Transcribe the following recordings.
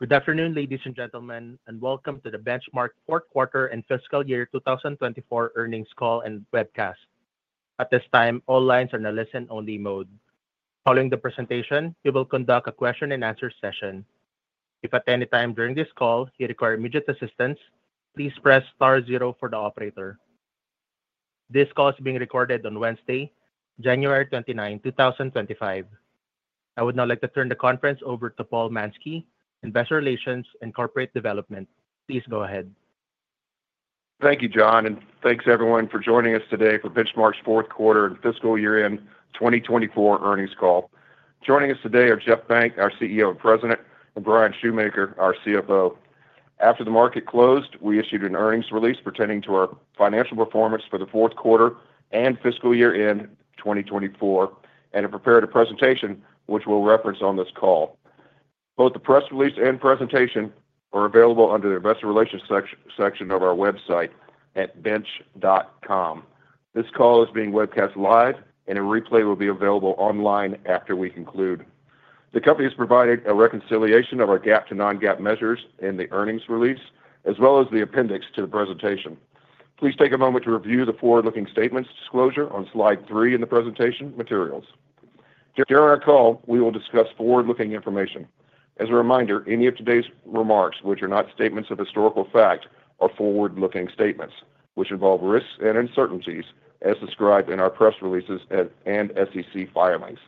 Good afternoon, ladies and gentlemen, and welcome to the Benchmark Fourth Quarter and Fiscal Year 2024 Earnings Call and Webcast. At this time, all lines are in a listen-only mode. Following the presentation, we will conduct a question-and-answer session. If at any time during this call you require immediate assistance, please press star zero for the operator. This call is being recorded on Wednesday, January 29, 2025. I would now like to turn the conference over to Paul Mansky, Investor Relations and Corporate Development. Please go ahead. Thank you, John, and thanks everyone for joining us today for Benchmark's Fourth Quarter and Fiscal Year-end 2024 Earnings Call. Joining us today are Jeff Benck, our CEO and President, and Bryan Schumaker, our CFO. After the market closed, we issued an earnings release pertaining to our financial performance for the fourth quarter and fiscal year-end 2024, and have prepared a presentation which we'll reference on this call. Both the press release and presentation are available under the Investor Relations section of our website at benchmark.com. This call is being webcast live, and a replay will be available online after we conclude. The company has provided a reconciliation of our GAAP-to-non-GAAP measures in the earnings release, as well as the appendix to the presentation. Please take a moment to review the forward-looking statements disclosure on slide three in the presentation materials. During our call, we will discuss forward-looking information. As a reminder, any of today's remarks, which are not statements of historical fact, are forward-looking statements, which involve risks and uncertainties as described in our press releases and SEC filings.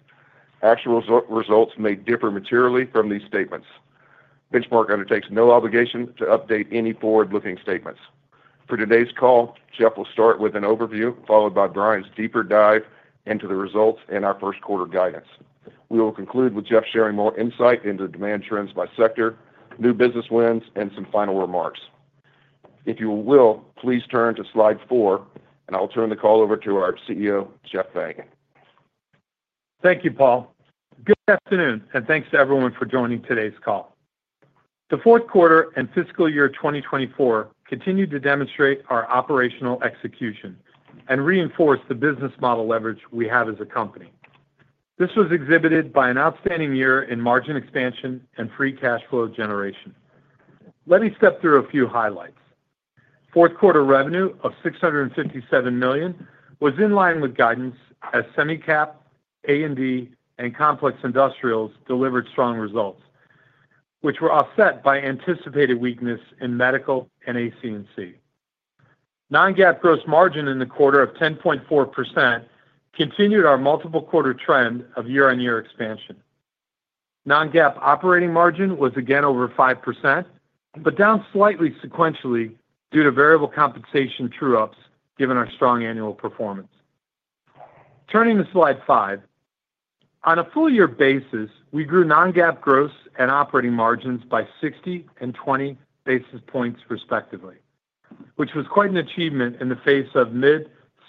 Actual results may differ materially from these statements. Benchmark undertakes no obligation to update any forward-looking statements. For today's call, Jeff will start with an overview, followed by Bryan's deeper dive into the results and our first quarter guidance. We will conclude with Jeff sharing more insight into demand trends by sector, new business wins, and some final remarks. If you will, please turn to slide four, and I'll turn the call over to our CEO, Jeff Benck. Thank you, Paul. Good afternoon, and thanks to everyone for joining today's call. The fourth quarter and fiscal year 2024 continue to demonstrate our operational execution and reinforce the business model leverage we have as a company. This was exhibited by an outstanding year in margin expansion and free cash flow generation. Let me step through a few highlights. Fourth quarter revenue of $657 million was in line with guidance as semi-cap, A&D, and complex industrials delivered strong results, which were offset by anticipated weakness in medical and AC&C. Non-GAAP gross margin in the quarter of 10.4% continued our multiple quarter trend of year-on-year expansion. Non-GAAP operating margin was again over 5%, but down slightly sequentially due to variable compensation true-ups given our strong annual performance. Turning to slide five, on a full-year basis, we grew non-GAAP gross and operating margins by 60 and 20 basis points, respectively, which was quite an achievement in the face of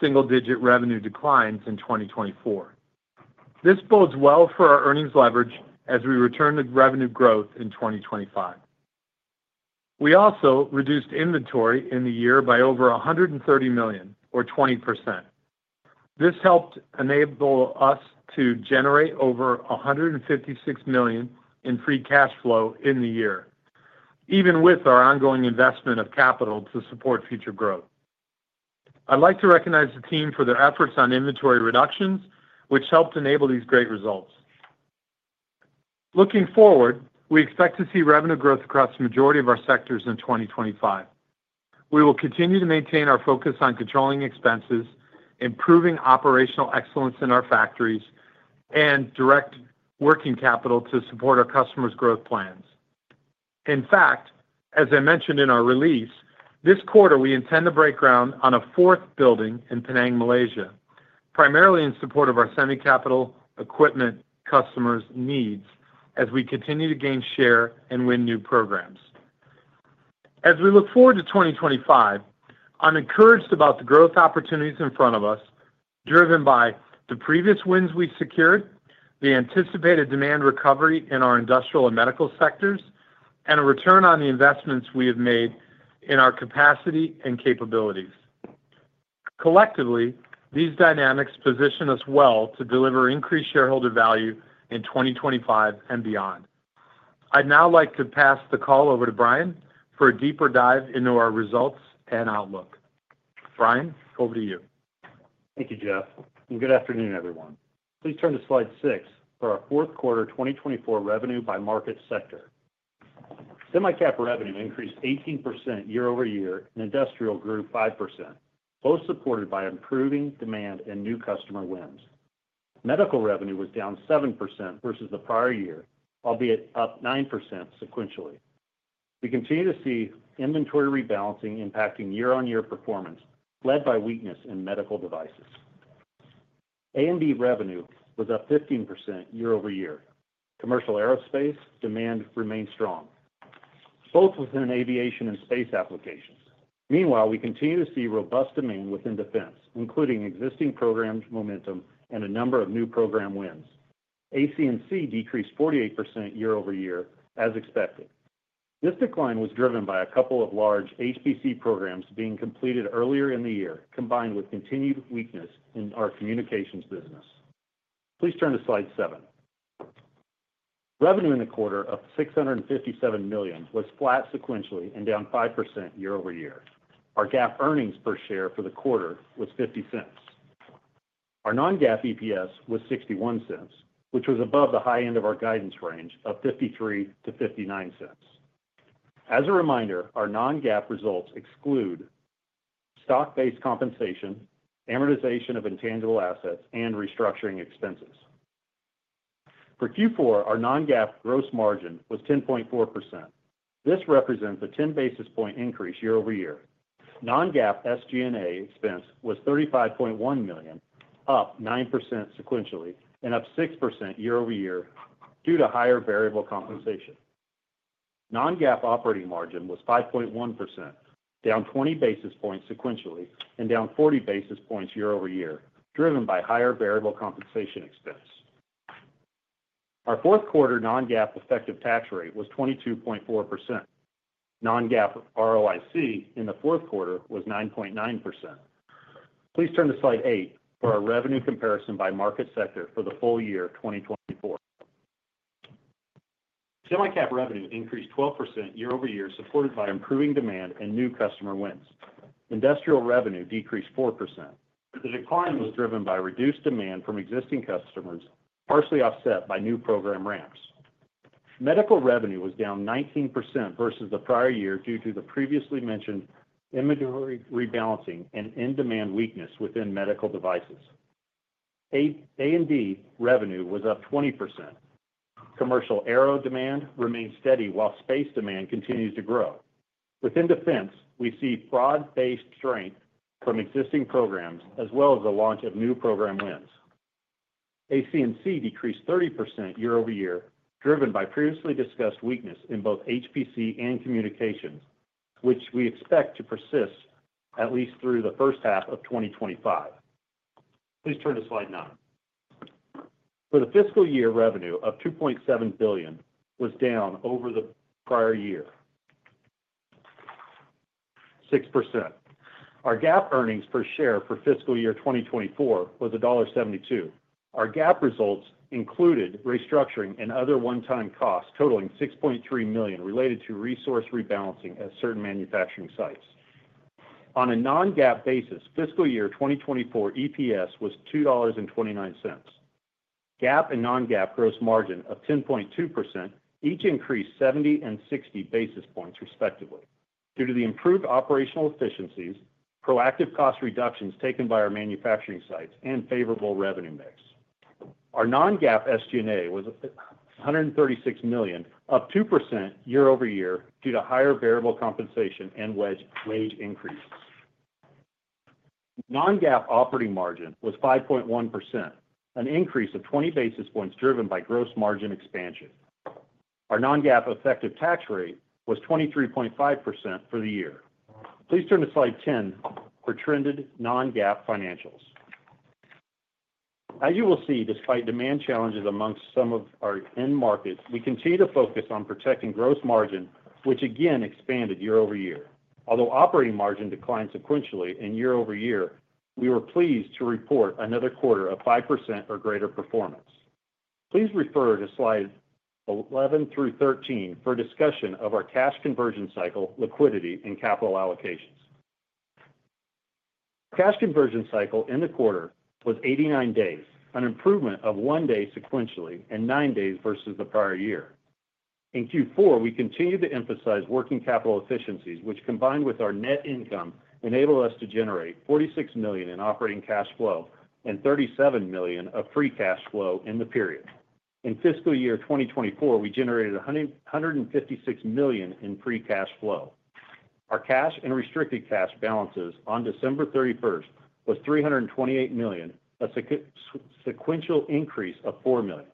mid-single-digit revenue declines in 2024. This bodes well for our earnings leverage as we return to revenue growth in 2025. We also reduced inventory in the year by over $130 million, or 20%. This helped enable us to generate over $156 million in free cash flow in the year, even with our ongoing investment of capital to support future growth. I'd like to recognize the team for their efforts on inventory reductions, which helped enable these great results. Looking forward, we expect to see revenue growth across the majority of our sectors in 2025. We will continue to maintain our focus on controlling expenses, improving operational excellence in our factories, and direct working capital to support our customers' growth plans. In fact, as I mentioned in our release, this quarter we intend to break ground on a fourth building in Penang, Malaysia, primarily in support of our semi-cap equipment customers' needs as we continue to gain share and win new programs. As we look forward to 2025, I'm encouraged about the growth opportunities in front of us, driven by the previous wins we secured, the anticipated demand recovery in our industrial and medical sectors, and a return on the investments we have made in our capacity and capabilities. Collectively, these dynamics position us well to deliver increased shareholder value in 2025 and beyond. I'd now like to pass the call over to Bryan for a deeper dive into our results and outlook. Bryan, over to you. Thank you, Jeff. And good afternoon, everyone. Please turn to slide six for our fourth quarter 2024 revenue by market sector. Semi-cap revenue increased 18% year-over-year, and industrial grew 5%, both supported by improving demand and new customer wins. Medical revenue was down 7% versus the prior year, albeit up 9% sequentially. We continue to see inventory rebalancing impacting year-on-year performance, led by weakness in medical devices. A&D revenue was up 15% year-over-year. Commercial aerospace demand remained strong, both within aviation and space applications. Meanwhile, we continue to see robust demand within defense, including existing program momentum and a number of new program wins. AC&C decreased 48% year-over-year, as expected. This decline was driven by a couple of large HPC programs being completed earlier in the year, combined with continued weakness in our communications business. Please turn to slide seven. Revenue in the quarter of $657 million was flat sequentially and down 5% year-over-year. Our GAAP earnings per share for the quarter was $0.50. Our non-GAAP EPS was $0.61, which was above the high end of our guidance range of $0.53 to $0.59. As a reminder, our non-GAAP results exclude stock-based compensation, amortization of intangible assets, and restructuring expenses. For Q4, our non-GAAP gross margin was 10.4%. This represents a 10 basis points increase year-over-year. Non-GAAP SG&A expense was $35.1 million, up 9% sequentially, and up 6% year-over-year due to higher variable compensation. Non-GAAP operating margin was 5.1%, down 20 basis points sequentially, and down 40 basis points year-over-year, driven by higher variable compensation expense. Our fourth quarter non-GAAP effective tax rate was 22.4%. Non-GAAP ROIC in the fourth quarter was 9.9%. Please turn to slide eight for our revenue comparison by market sector for the full year 2024. Semi-cap revenue increased 12% year-over-year, supported by improving demand and new customer wins. Industrial revenue decreased 4%. The decline was driven by reduced demand from existing customers, partially offset by new program ramps. Medical revenue was down 19% versus the prior year due to the previously mentioned inventory rebalancing and in-demand weakness within medical devices. A&D revenue was up 20%. Commercial aero demand remained steady, while space demand continues to grow. Within defense, we see broad-based strength from existing programs, as well as the launch of new program wins. AC&C decreased 30% year-over-year, driven by previously discussed weakness in both HPC and communications, which we expect to persist at least through the first half of 2025. Please turn to slide nine. For the fiscal year, revenue of $2.7 billion was down over the prior year, 6%. Our GAAP earnings per share for fiscal year 2024 was $1.72. Our GAAP results included restructuring and other one-time costs totaling $6.3 million related to resource rebalancing at certain manufacturing sites. On a non-GAAP basis, fiscal year 2024 EPS was $2.29. GAAP and non-GAAP gross margin of 10.2% each increased 70 and 60 basis points, respectively, due to the improved operational efficiencies, proactive cost reductions taken by our manufacturing sites, and favorable revenue mix. Our non-GAAP SG&A was $136 million, up 2% year-over-year due to higher variable compensation and wage increases. Non-GAAP operating margin was 5.1%, an increase of 20 basis points driven by gross margin expansion. Our non-GAAP effective tax rate was 23.5% for the year. Please turn to slide 10 for trended non-GAAP financials. As you will see, despite demand challenges among some of our end markets, we continue to focus on protecting gross margin, which again expanded year-over-year. Although operating margin declined sequentially and year-over-year, we were pleased to report another quarter of 5% or greater performance. Please refer to slides 11 through 13 for discussion of our cash conversion cycle, liquidity, and capital allocations. Cash conversion cycle in the quarter was 89 days, an improvement of one day sequentially and nine days versus the prior year. In Q4, we continued to emphasize working capital efficiencies, which combined with our net income enabled us to generate $46 million in operating cash flow and $37 million of free cash flow in the period. In fiscal year 2024, we generated $156 million in free cash flow. Our cash and restricted cash balances on December 31st was $328 million, a sequential increase of $4 million.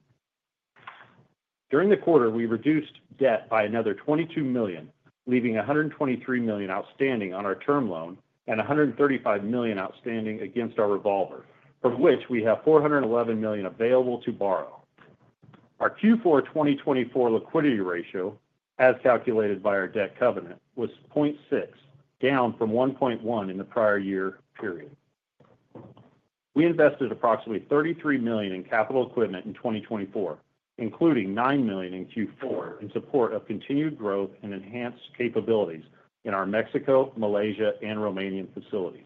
During the quarter, we reduced debt by another $22 million, leaving $123 million outstanding on our term loan and $135 million outstanding against our revolver, from which we have $411 million available to borrow. Our Q4 2024 liquidity ratio, as calculated by our debt covenant, was 0.6, down from 1.1 in the prior year period. We invested approximately $33 million in capital equipment in 2024, including $9 million in Q4 in support of continued growth and enhanced capabilities in our Mexico, Malaysia, and Romanian facilities.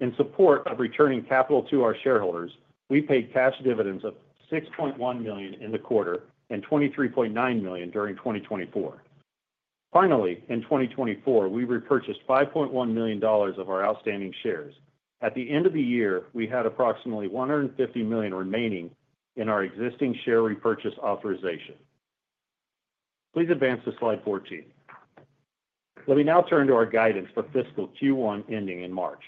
In support of returning capital to our shareholders, we paid cash dividends of $6.1 million in the quarter and $23.9 million during 2024. Finally, in 2024, we repurchased $5.1 million of our outstanding shares. At the end of the year, we had approximately $150 million remaining in our existing share repurchase authorization. Please advance to slide 14. Let me now turn to our guidance for fiscal Q1 ending in March.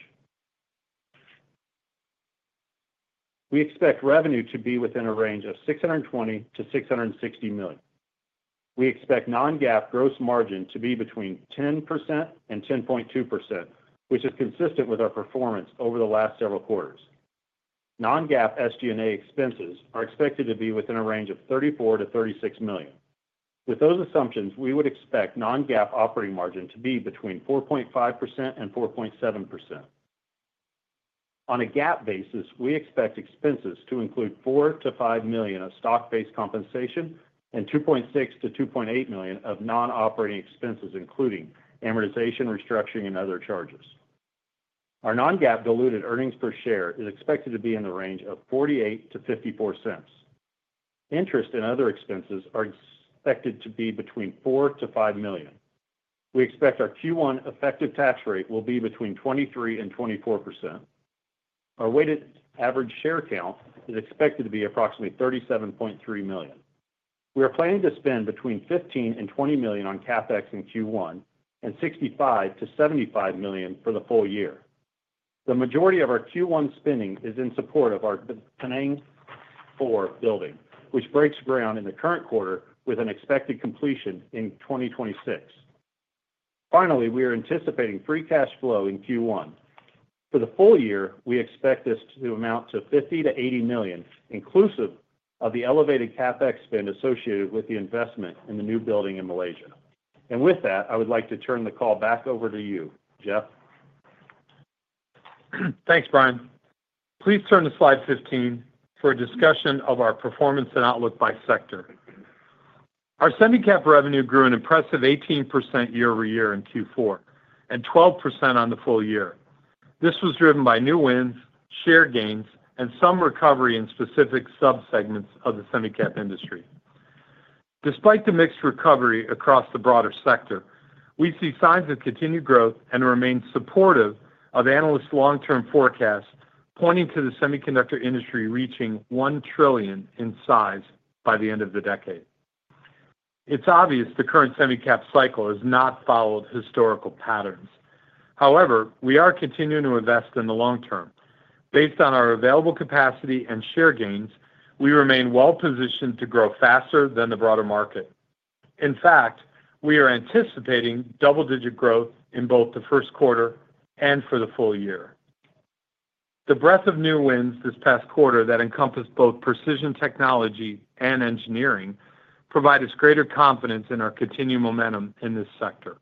We expect revenue to be within a range of $620-$660 million. We expect non-GAAP gross margin to be between 10%-10.2%, which is consistent with our performance over the last several quarters. Non-GAAP SG&A expenses are expected to be within a range of $34-$36 million. With those assumptions, we would expect non-GAAP operating margin to be between 4.5%-4.7%. On a GAAP basis, we expect expenses to include $4-$5 million of stock-based compensation and $2.6-$2.8 million of non-operating expenses, including amortization, restructuring, and other charges. Our non-GAAP diluted earnings per share is expected to be in the range of $0.48-$0.54. Interest and other expenses are expected to be between $4-$5 million. We expect our Q1 effective tax rate will be between 23%-24%. Our weighted average share count is expected to be approximately 37.3 million. We are planning to spend between $15-$20 million on CapEx in Q1 and $65-$75 million for the full year. The majority of our Q1 spending is in support of our Penang IV building, which breaks ground in the current quarter with an expected completion in 2026. Finally, we are anticipating free cash flow in Q1. For the full year, we expect this to amount to $50-$80 million, inclusive of the elevated CapEx spend associated with the investment in the new building in Malaysia. And with that, I would like to turn the call back over to you, Jeff. Thanks, Bryan. Please turn to slide 15 for a discussion of our performance and outlook by sector. Our semi-cap revenue grew an impressive 18% year-over-year in Q4 and 12% on the full year. This was driven by new wins, share gains, and some recovery in specific subsegments of the semi-cap industry. Despite the mixed recovery across the broader sector, we see signs of continued growth and remain supportive of analysts' long-term forecasts, pointing to the semiconductor industry reaching $1 trillion in size by the end of the decade. It's obvious the current semi-cap cycle has not followed historical patterns. However, we are continuing to invest in the long term. Based on our available capacity and share gains, we remain well-positioned to grow faster than the broader market. In fact, we are anticipating double-digit growth in both the first quarter and for the full year. The breadth of new wins this past quarter that encompassed both precision technology and engineering provides us greater confidence in our continued momentum in this sector.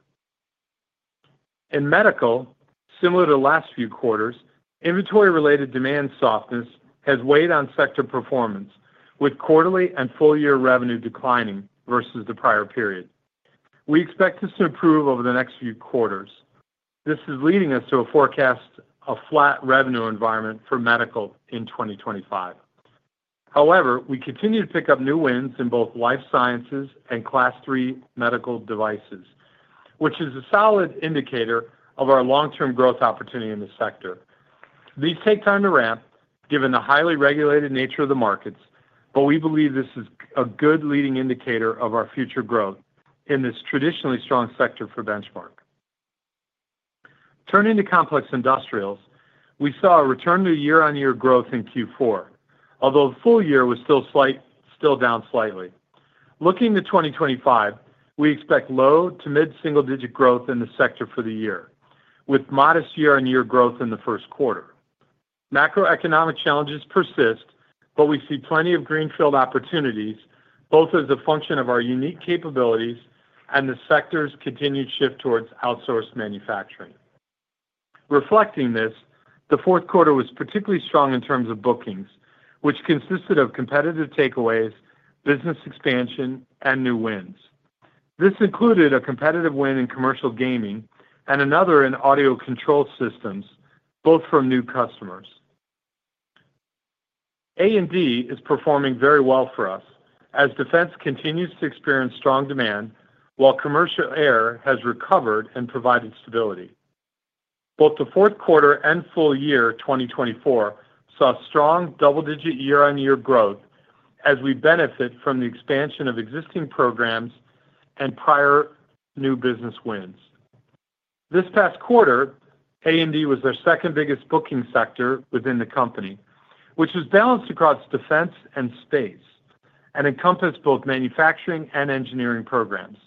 In medical, similar to last few quarters, inventory-related demand softness has weighed on sector performance, with quarterly and full-year revenue declining versus the prior period. We expect this to improve over the next few quarters. This is leading us to a forecast of a flat revenue environment for medical in 2025. However, we continue to pick up new wins in both life sciences and Class III medical devices, which is a solid indicator of our long-term growth opportunity in this sector. These take time to ramp, given the highly regulated nature of the markets, but we believe this is a good leading indicator of our future growth in this traditionally strong sector for Benchmark. Turning to complex industrials, we saw a return to year-over-year growth in Q4, although the full year was still down slightly. Looking to 2025, we expect low to mid-single-digit growth in the sector for the year, with modest year-over-year growth in the first quarter. Macroeconomic challenges persist, but we see plenty of greenfield opportunities, both as a function of our unique capabilities and the sector's continued shift towards outsourced manufacturing. Reflecting this, the fourth quarter was particularly strong in terms of bookings, which consisted of competitive takeaways, business expansion, and new wins. This included a competitive win in commercial gaming and another in audio control systems, both from new customers. A&D is performing very well for us as defense continues to experience strong demand, while commercial air has recovered and provided stability. Both the fourth quarter and full year 2024 saw strong double-digit year-on-year growth as we benefit from the expansion of existing programs and prior new business wins. This past quarter, A&D was our second biggest booking sector within the company, which was balanced across defense and space and encompassed both manufacturing and engineering programs.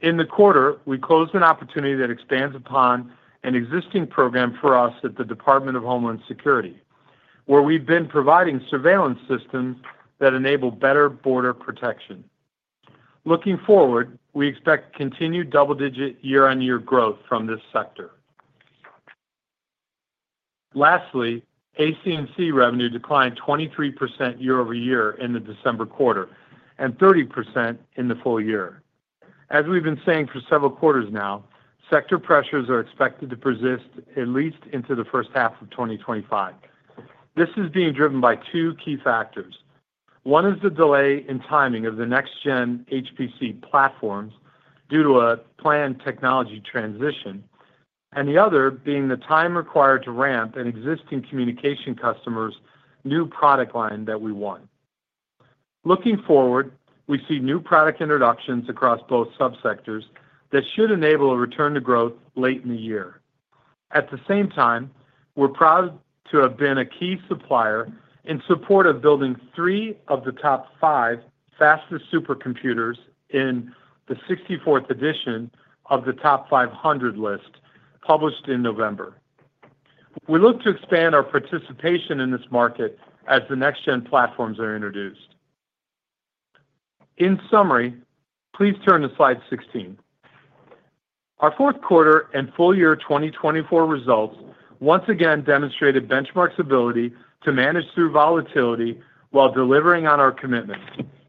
In the quarter, we closed an opportunity that expands upon an existing program for us at the Department of Homeland Security, where we've been providing surveillance systems that enable better border protection. Looking forward, we expect continued double-digit year-on-year growth from this sector. Lastly, AC&C revenue declined 23% year-over-year in the December quarter and 30% in the full year. As we've been saying for several quarters now, sector pressures are expected to persist at least into the first half of 2025. This is being driven by two key factors. One is the delay in timing of the next-gen HPC platforms due to a planned technology transition, and the other being the time required to ramp an existing communication customer's new product line that we want. Looking forward, we see new product introductions across both subsectors that should enable a return to growth late in the year. At the same time, we're proud to have been a key supplier in support of building three of the top five fastest supercomputers in the 64th edition of the Top 500 list published in November. We look to expand our participation in this market as the next-gen platforms are introduced. In summary, please turn to slide 16. Our fourth quarter and full year 2024 results once again demonstrated Benchmark's ability to manage through volatility while delivering on our commitments,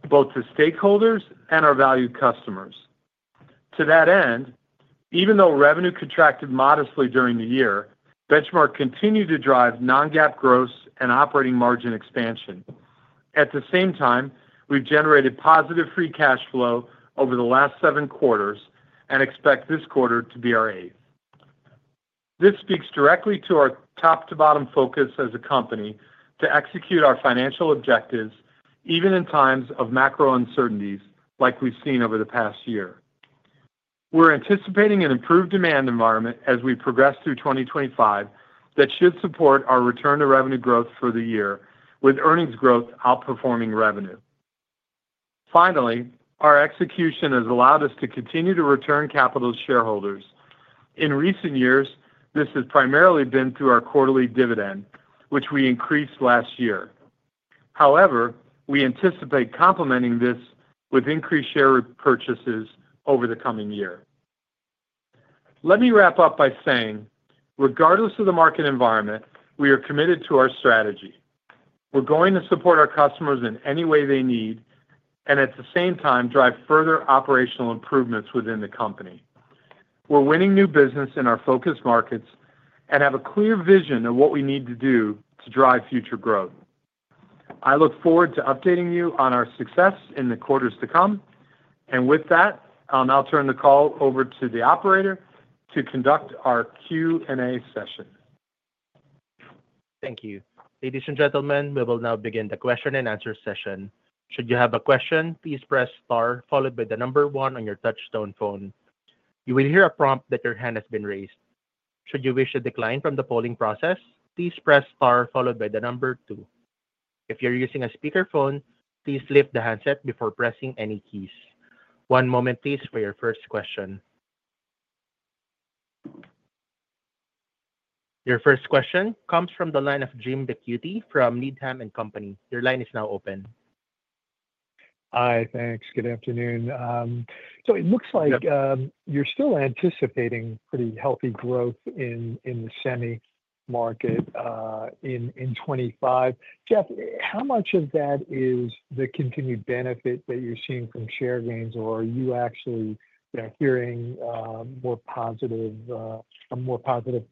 both to stakeholders and our valued customers. To that end, even though revenue contracted modestly during the year, Benchmark continued to drive non-GAAP growth and operating margin expansion. At the same time, we've generated positive free cash flow over the last seven quarters and expect this quarter to be our eighth. This speaks directly to our top-to-bottom focus as a company to execute our financial objectives, even in times of macro uncertainties like we've seen over the past year. We're anticipating an improved demand environment as we progress through 2025 that should support our return to revenue growth for the year, with earnings growth outperforming revenue. Finally, our execution has allowed us to continue to return capital to shareholders. In recent years, this has primarily been through our quarterly dividend, which we increased last year. However, we anticipate complementing this with increased share repurchases over the coming year. Let me wrap up by saying, regardless of the market environment, we are committed to our strategy. We're going to support our customers in any way they need and at the same time drive further operational improvements within the company. We're winning new business in our focus markets and have a clear vision of what we need to do to drive future growth. I look forward to updating you on our success in the quarters to come. And with that, I'll now turn the call over to the operator to conduct our Q&A session. Thank you. Ladies and gentlemen, we will now begin the question and answer session. Should you have a question, please press star, followed by the number one on your touch-tone phone. You will hear a prompt that your hand has been raised. Should you wish to decline from the polling process, please press star, followed by the number two. If you're using a speakerphone, please lift the handset before pressing any keys. One moment, please, for your first question. Your first question comes from the line of Jim Ricchiuti from Needham & Company. Your line is now open. Hi, thanks. Good afternoon. So it looks like you're still anticipating pretty healthy growth in the semi market in 2025. Jeff, how much of that is the continued benefit that you're seeing from share gains, or are you actually hearing a more positive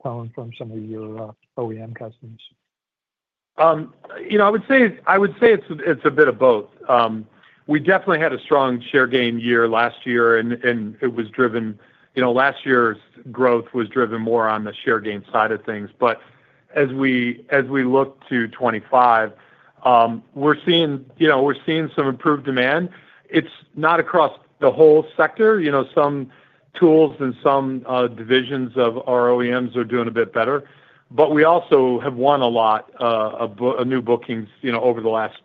tone from some of your OEM customers? You know, I would say it's a bit of both. We definitely had a strong share gain year last year, and last year's growth was driven more on the share gain side of things. But as we look to 2025, we're seeing some improved demand. It's not across the whole sector. Some tools and some divisions of our OEMs are doing a bit better. But we also have won a lot of new bookings over the last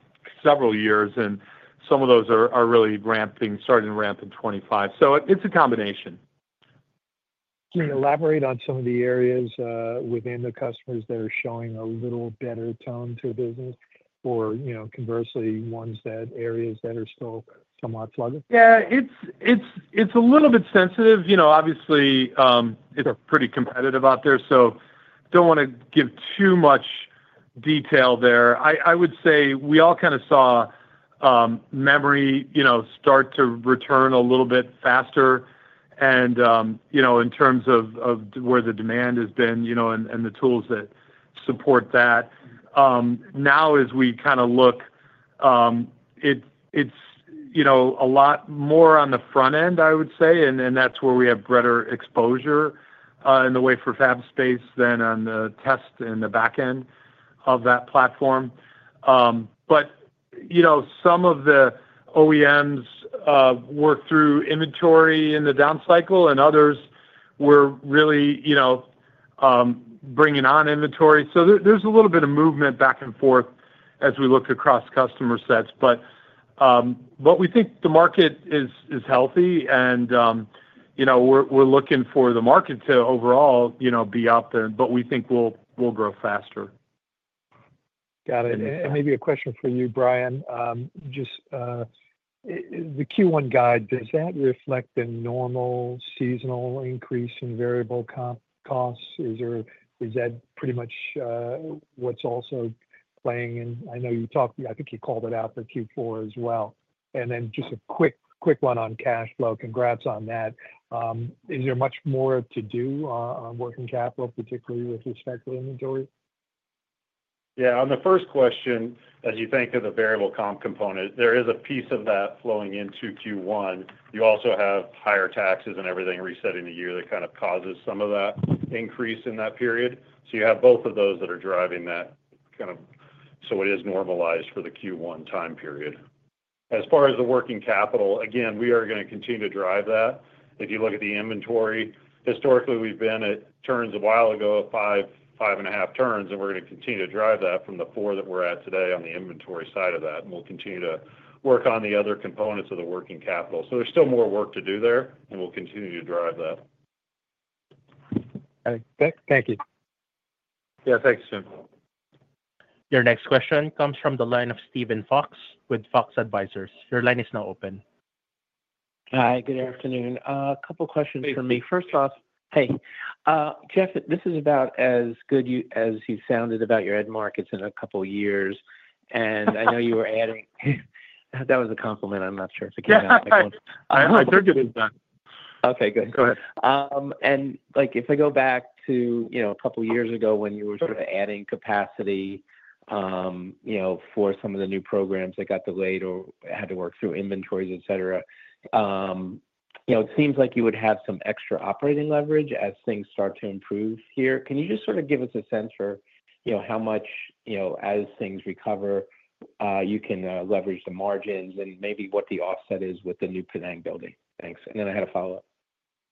several years, and some of those are really starting to ramp in 2025. So it's a combination. Can you elaborate on some of the areas within the customers that are showing a little better tone to the business, or conversely, areas that are still somewhat sluggish? Yeah, it's a little bit sensitive. Obviously, it's pretty competitive out there, so I don't want to give too much detail there. I would say we all kind of saw memory start to return a little bit faster. And in terms of where the demand has been and the tools that support that, now as we kind of look, it's a lot more on the front end, I would say, and that's where we have better exposure in the way for FabSpace than on the test and the back end of that platform. But some of the OEMs were through inventory in the down cycle, and others were really bringing on inventory. So there's a little bit of movement back and forth as we look across customer sets. But we think the market is healthy, and we're looking for the market to overall be up there, but we think we'll grow faster. Got it. And maybe a question for you, Bryan. Just the Q1 guide, does that reflect a normal seasonal increase in variable costs? Is that pretty much what's also playing in? I know you talked, I think you called it out for Q4 as well. And then just a quick one on cash flow. Congrats on that. Is there much more to do on working capital, particularly with respect to inventory? Yeah. On the first question, as you think of the variable comp component, there is a piece of that flowing into Q1. You also have higher taxes and everything resetting the year that kind of causes some of that increase in that period. So you have both of those that are driving that kind of, so it is normalized for the Q1 time period. As far as the working capital, again, we are going to continue to drive that. If you look at the inventory, historically, we've been at turns a while ago, five, five and a half turns, and we're going to continue to drive that from the four that we're at today on the inventory side of that. And we'll continue to work on the other components of the working capital. So there's still more work to do there, and we'll continue to drive that. Thank you. Yeah, thanks, Jim. Your next question comes from the line of Steven Fox with Fox Advisors. Your line is now open. Hi, good afternoon. A couple of questions for me. First off, hey, Jeff, this is about as good as you sounded about your end markets in a couple of years. And I know you were adding - that was a compliment. I'm not sure if it came out. I heard you do that. Okay, good. Go ahead. And if I go back to a couple of years ago when you were sort of adding capacity for some of the new programs that got delayed or had to work through inventories, etc., it seems like you would have some extra operating leverage as things start to improve here. Can you just sort of give us a sense for how much, as things recover, you can leverage the margins and maybe what the offset is with the new Penang building? Thanks. And then I had a follow-up.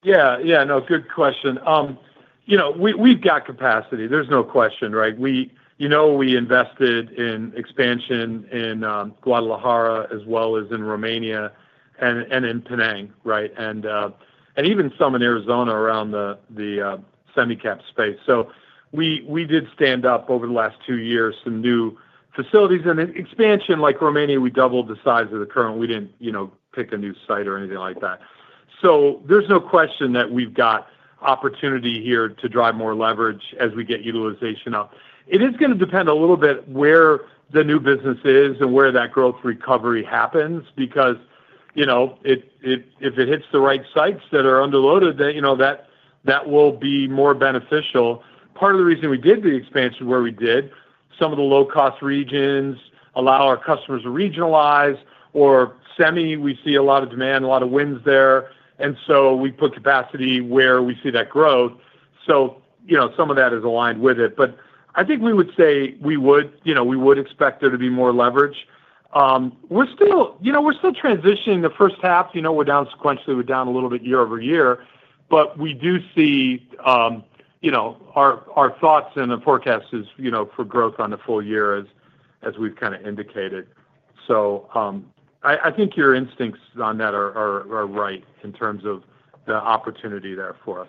Yeah. Yeah. No, good question. We've got capacity. There's no question, right? We invested in expansion in Guadalajara as well as in Romania and in Penang, right? And even some in Arizona around the semi-cap space. So we did stand up over the last two years some new facilities. And expansion like Romania, we doubled the size of the current. We didn't pick a new site or anything like that. So there's no question that we've got opportunity here to drive more leverage as we get utilization up. It is going to depend a little bit where the new business is and where that growth recovery happens because if it hits the right sites that are underloaded, that will be more beneficial. Part of the reason we did the expansion where we did, some of the low-cost regions allow our customers to regionalize, or semi, we see a lot of demand, a lot of wins there. And so we put capacity where we see that growth. So some of that is aligned with it. But I think we would say we would expect there to be more leverage. We're still transitioning the first half. We're down sequentially. We're down a little bit year over year. But we do see our thoughts and the forecasts for growth on the full year as we've kind of indicated. So I think your instincts on that are right in terms of the opportunity there for us.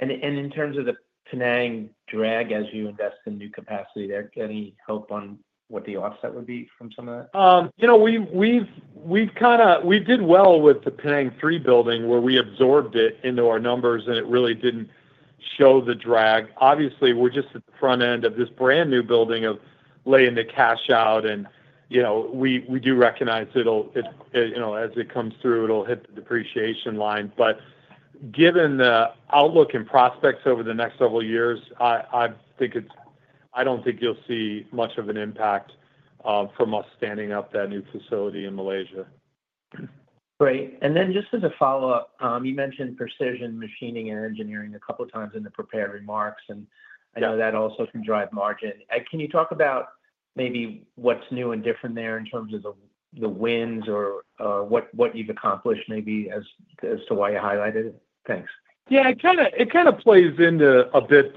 And in terms of the Penang drag as you invest in new capacity, any help on what the offset would be from some of that? We've kind of did well with the Penang III building where we absorbed it into our numbers, and it really didn't show the drag. Obviously, we're just at the front end of this brand new building of laying the cash out. And we do recognize as it comes through, it'll hit the depreciation line. But given the outlook and prospects over the next several years, I don't think you'll see much of an impact from us standing up that new facility in Malaysia. Great. And then just as a follow-up, you mentioned precision machining and engineering a couple of times in the prepared remarks, and I know that also can drive margin. Can you talk about maybe what's new and different there in terms of the wins or what you've accomplished maybe as to why you highlighted it? Thanks. Yeah. It kind of plays into a bit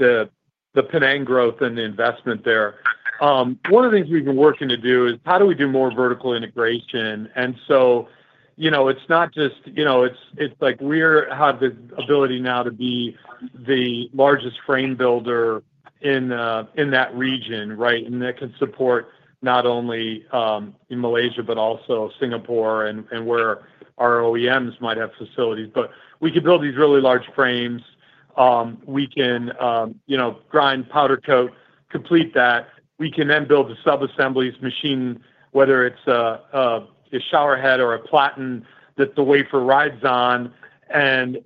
the Penang growth and the investment there. One of the things we've been working to do is how do we do more vertical integration? And so it's not just it's like we have the ability now to be the largest frame builder in that region, right? And that can support not only in Malaysia but also Singapore and where our OEMs might have facilities. But we can build these really large frames. We can grind, powder coat, complete that. We can then build the subassemblies, machine, whether it's a shower head or a platen that the wafer rides on, and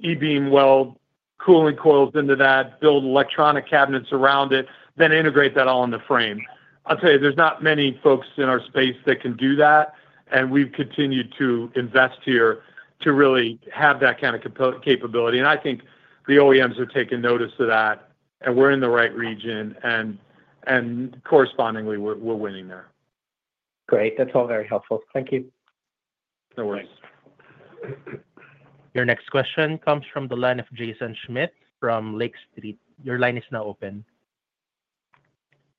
e-beam weld cooling coils into that, build electronic cabinets around it, then integrate that all in the frame. I'll tell you, there's not many folks in our space that can do that. And we've continued to invest here to really have that kind of capability. And I think the OEMs are taking notice of that, and we're in the right region. And correspondingly, we're winning there. Great. That's all very helpful. Thank you. No worries. Your next question comes from the line of Jason Schmidt from Lake Street. Your line is now open.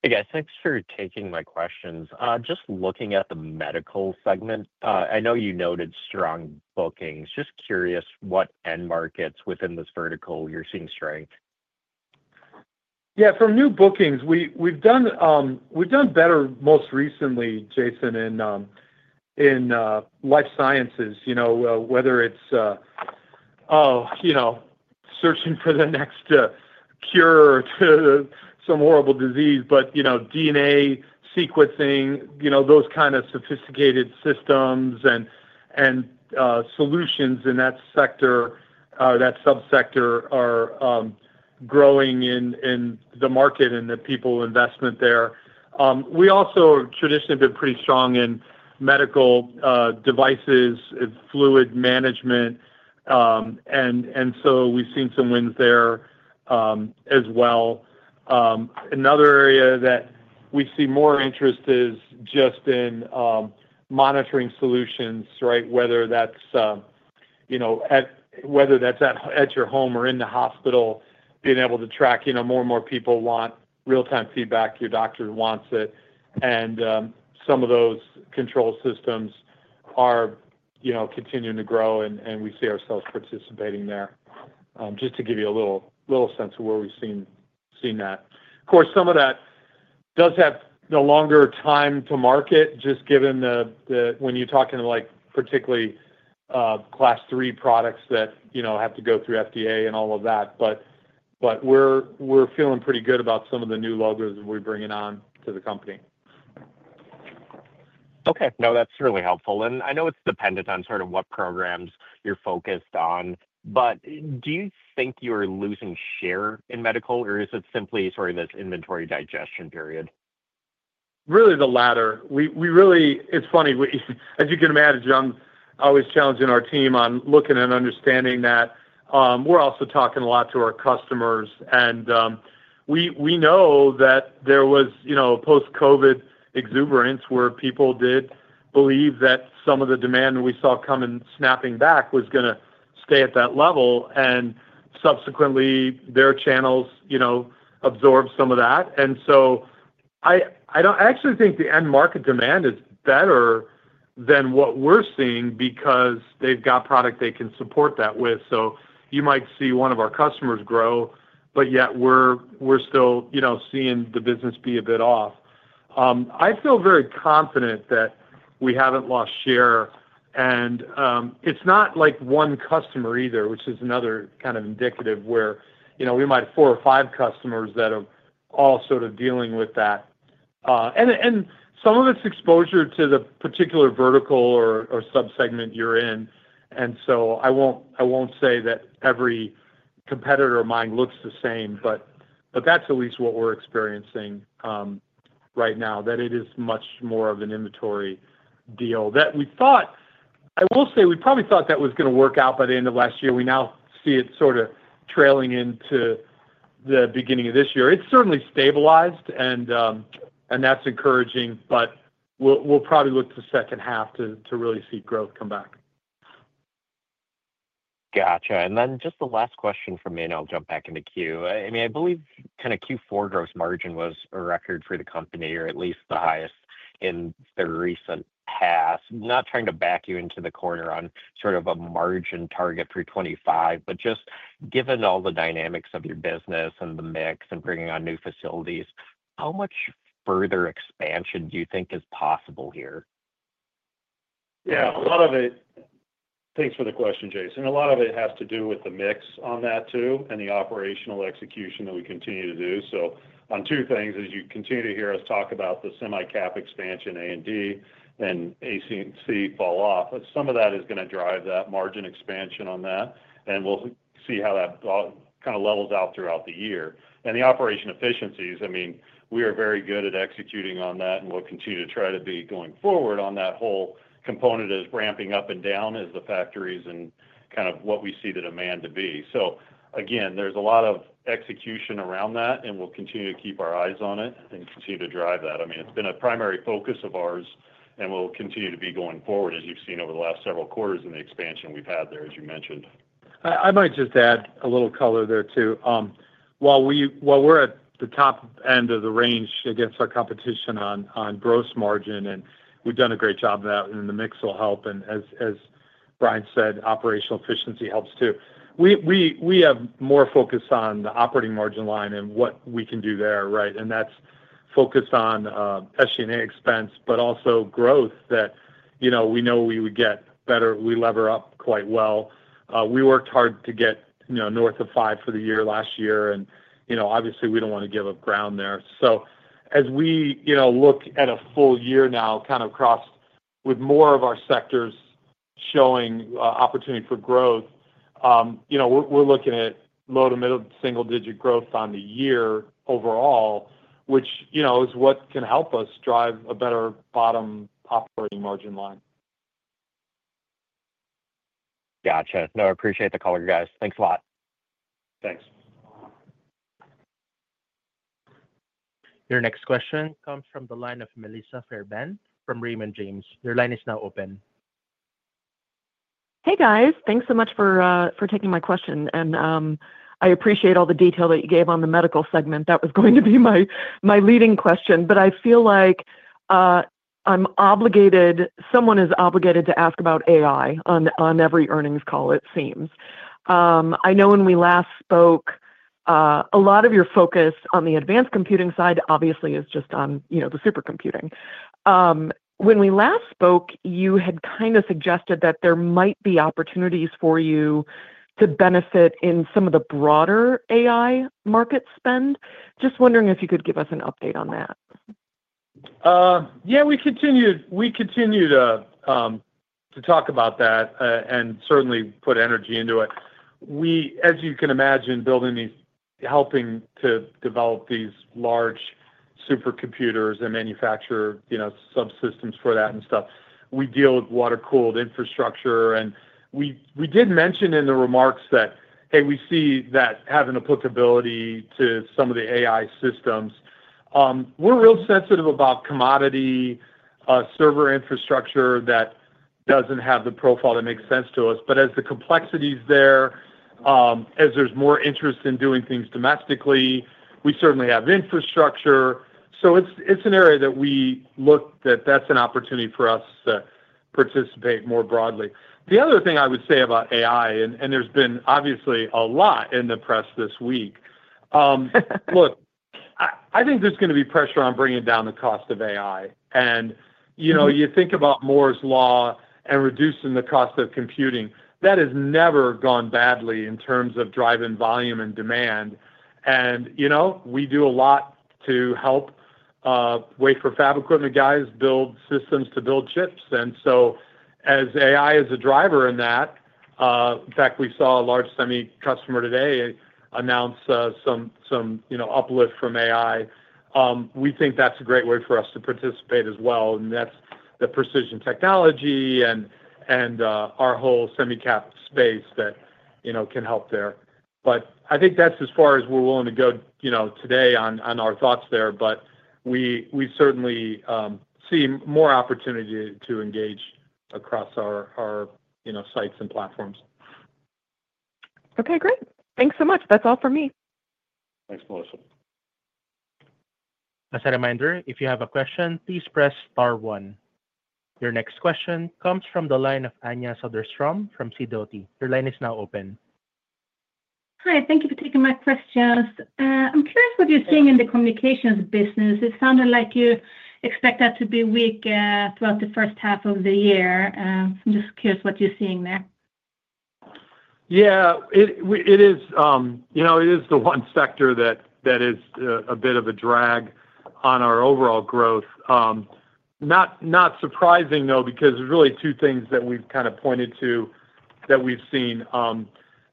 Hey, guys. Thanks for taking my questions. Just looking at the medical segment, I know you noted strong bookings. Just curious what end markets within this vertical you're seeing strength. Yeah. For new bookings, we've done better most recently, Jason, in life sciences, whether it's searching for the next cure to some horrible disease, but DNA sequencing, those kind of sophisticated systems and solutions in that subsector are growing in the market and the people investment there. We also have traditionally been pretty strong in medical devices, fluid management. And so we've seen some wins there as well. Another area that we see more interest is just in monitoring solutions, right? Whether that's at your home or in the hospital, being able to track more and more people want real-time feedback, your doctor wants it. And some of those control systems are continuing to grow, and we see ourselves participating there. Just to give you a little sense of where we've seen that. Of course, some of that does have a longer time to market, just given when you're talking particularly Class III products that have to go through FDA and all of that. But we're feeling pretty good about some of the new logos that we're bringing on to the company. Okay. No, that's really helpful. And I know it's dependent on sort of what programs you're focused on. But do you think you're losing share in medical, or is it simply sort of this inventory digestion period? Really the latter. It's funny. As you can imagine, I'm always challenging our team on looking and understanding that. We're also talking a lot to our customers. And we know that there was post-COVID exuberance where people did believe that some of the demand we saw coming snapping back was going to stay at that level. And subsequently, their channels absorbed some of that. And so I actually think the end market demand is better than what we're seeing because they've got product they can support that with. So you might see one of our customers grow, but yet we're still seeing the business be a bit off. I feel very confident that we haven't lost share. And it's not like one customer either, which is another kind of indicative where we might have four or five customers that are all sort of dealing with that. And some of it's exposure to the particular vertical or subsegment you're in. And so I won't say that every competitor of mine looks the same, but that's at least what we're experiencing right now, that it is much more of an inventory deal than we thought. I will say we probably thought that was going to work out by the end of last year. We now see it sort of trailing into the beginning of this year. It's certainly stabilized, and that's encouraging. But we'll probably look to the second half to really see growth come back. Gotcha. And then just the last question for me, and I'll jump back into Q. I mean, I believe kind of Q4 gross margin was a record for the company, or at least the highest in the recent past. I'm not trying to back you into the corner on sort of a margin target for 2025, but just given all the dynamics of your business and the mix and bringing on new facilities, how much further expansion do you think is possible here? Yeah. A lot of it, thanks for the question, Jason. A lot of it has to do with the mix on that too and the operational execution that we continue to do. So, on two things, as you continue to hear us talk about the semi-cap expansion, A&D and AC&C fall off, some of that is going to drive that margin expansion on that. And we'll see how that kind of levels out throughout the year. And the operational efficiencies, I mean, we are very good at executing on that, and we'll continue to try to be going forward on that whole component as ramping up and down as the factories and kind of what we see the demand to be. So again, there's a lot of execution around that, and we'll continue to keep our eyes on it and continue to drive that. I mean, it's been a primary focus of ours, and we'll continue to be going forward, as you've seen over the last several quarters in the expansion we've had there, as you mentioned. I might just add a little color there too. While we're at the top end of the range against our competition on gross margin, and we've done a great job of that, and the mix will help, and as Bryan said, operational efficiency helps too. We have more focus on the operating margin line and what we can do there, right, and that's focused on SG&A expense, but also growth that we know we would get better. We lever up quite well. We worked hard to get north of five for the year last year, and obviously, we don't want to give up ground there. So as we look at a full year now, kind of across with more of our sectors showing opportunity for growth, we're looking at low to middle single-digit growth on the year overall, which is what can help us drive a better bottom operating margin line. Gotcha. No, I appreciate the call, you guys. Thanks a lot. Thanks. Your next question comes from the line of Melissa Fairbanks from Raymond James. Your line is now open. Hey, guys. Thanks so much for taking my question. And I appreciate all the detail that you gave on the medical segment. That was going to be my leading question. But I feel like someone is obligated to ask about AI on every earnings call, it seems. I know when we last spoke, a lot of your focus on the advanced computing side, obviously, is just on the supercomputing. When we last spoke, you had kind of suggested that there might be opportunities for you to benefit in some of the broader AI market spend. Just wondering if you could give us an update on that. Yeah. We continued to talk about that and certainly put energy into it. As you can imagine, helping to develop these large supercomputers and manufacture subsystems for that and stuff, we deal with water-cooled infrastructure. And we did mention in the remarks that, hey, we see that having applicability to some of the AI systems. We're real sensitive about commodity server infrastructure that doesn't have the profile that makes sense to us. But as the complexity is there, as there's more interest in doing things domestically, we certainly have infrastructure. So it's an area that we look at. That's an opportunity for us to participate more broadly. The other thing I would say about AI, and there's been obviously a lot in the press this week. Look, I think there's going to be pressure on bringing down the cost of AI. And you think about Moore's Law and reducing the cost of computing. That has never gone badly in terms of driving volume and demand. And we do a lot to help wafer fab equipment guys build systems to build chips. And so as AI is a driver in that. In fact, we saw a large semi customer today announce some uplift from AI. We think that's a great way for us to participate as well. And that's the precision technology and our whole semi-cap space that can help there. But I think that's as far as we're willing to go today on our thoughts there. But we certainly see more opportunity to engage across our sites and platforms. Okay. Great. Thanks so much. That's all for me. Thanks, Melissa. As a reminder, if you have a question, please press star one. Your next question comes from the line of Anya Soderstrom from Sidoti. Your line is now open. Hi. Thank you for taking my questions. I'm curious what you're seeing in the communications business. It sounded like you expect that to be weak throughout the first half of the year. I'm just curious what you're seeing there. Yeah. It is the one sector that is a bit of a drag on our overall growth. Not surprising, though, because there's really two things that we've kind of pointed to that we've seen.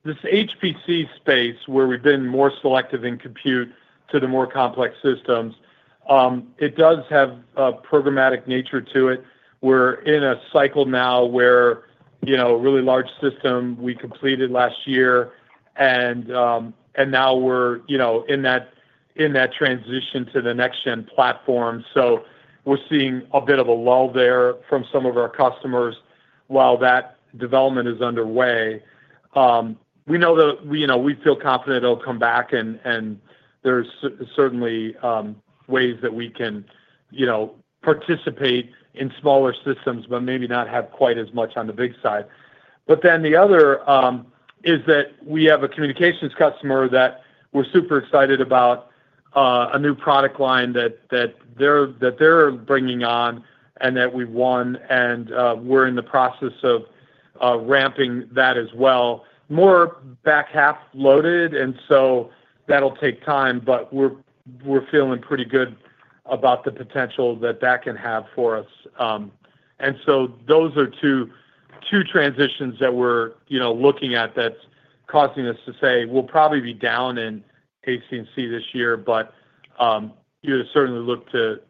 This HPC space, where we've been more selective in compute to the more complex systems, it does have a programmatic nature to it. We're in a cycle now where a really large system we completed last year, and now we're in that transition to the next-gen platform, so we're seeing a bit of a lull there from some of our customers while that development is underway. We know that we feel confident it'll come back, and there's certainly ways that we can participate in smaller systems, but maybe not have quite as much on the big side, but then the other is that we have a communications customer that we're super excited about a new product line that they're bringing on and that we've won, and we're in the process of ramping that as well. More back half loaded, and so that'll take time, but we're feeling pretty good about the potential that that can have for us. And so those are two transitions that we're looking at that's causing us to say we'll probably be down in AC&C this year, but you would certainly look to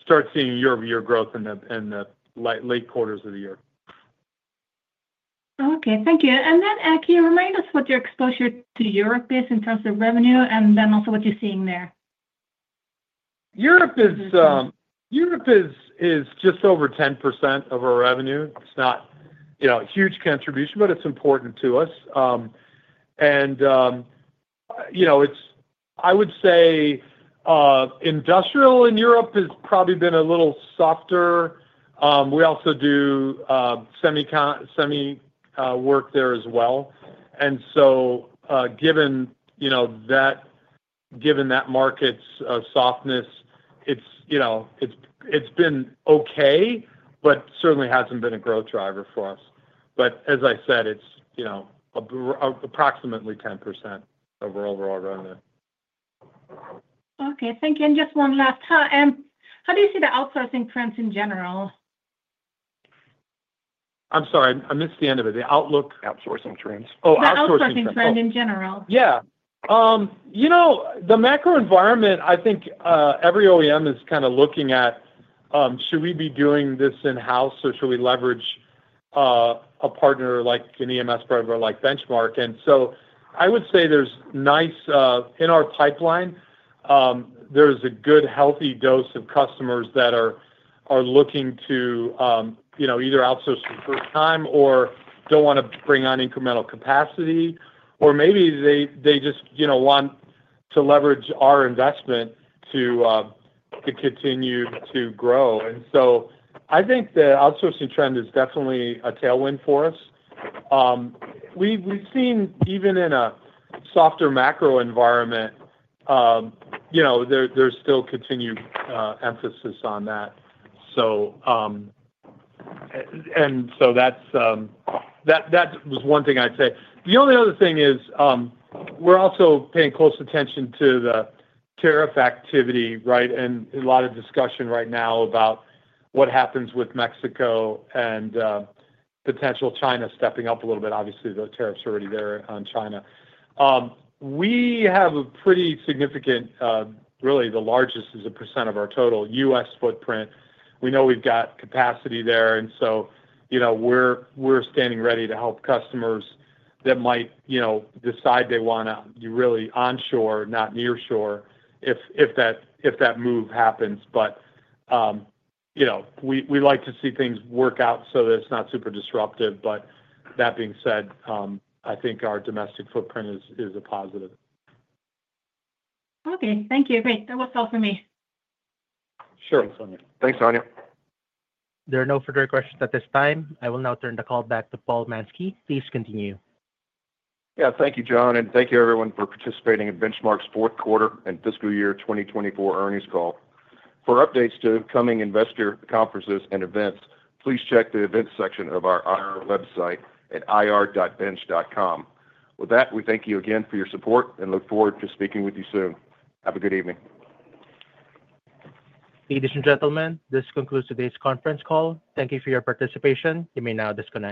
start seeing year-over-year growth in the late quarters of the year. Okay. Thank you. And then, can you remind us what your exposure to Europe is in terms of revenue and then also what you're seeing there? Europe is just over 10% of our revenue. It's not a huge contribution, but it's important to us. And I would say industrial in Europe has probably been a little softer. We also do semi work there as well. And so given that market's softness, it's been okay, but certainly hasn't been a growth driver for us. But as I said, it's approximately 10% of our overall revenue. Okay. Thank you. And just one last thought. How do you see the outsourcing trends in general? I'm sorry. I missed the end of it. The Outlook. Outsourcing trends. Oh, outsourcing trends. Outsourcing trend in general. Yeah. The macro environment, I think every OEM is kind of looking at, should we be doing this in-house, or should we leverage a partner like an EMS broker like Benchmark? And so I would say there's nice in our pipeline, there is a good healthy dose of customers that are looking to either outsource for the first time or don't want to bring on incremental capacity, or maybe they just want to leverage our investment to continue to grow. And so I think the outsourcing trend is definitely a tailwind for us. We've seen even in a softer macro environment, there's still continued emphasis on that. And so that was one thing I'd say. The only other thing is we're also paying close attention to the tariff activity, right, and a lot of discussion right now about what happens with Mexico and potential China stepping up a little bit. Obviously, the tariffs are already there on China. We have a pretty significant, really the largest is a % of our total U.S. footprint. We know we've got capacity there. And so we're standing ready to help customers that might decide they want to be really onshore, not nearshore, if that move happens. But we like to see things work out so that it's not super disruptive. But that being said, I think our domestic footprint is a positive. Okay. Thank you. Great. That was all for me. Sure. Thanks, Anya. Thanks, Anya. There are no further questions at this time. I will now turn the call back to Paul Mansky. Please continue. Yeah. Thank you, John and thank you, everyone, for participating in Benchmark's fourth quarter and fiscal year 2024 earnings call. For updates to upcoming investor conferences and events, please check the events section of our IR website at investors.benchmark.com. With that, we thank you again for your support and look forward to speaking with you soon. Have a good evening. Ladies and gentlemen, this concludes today's conference call. Thank you for your participation. You may now disconnect.